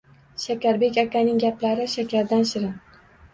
Shakarbek akaning gaplari shakardan shirin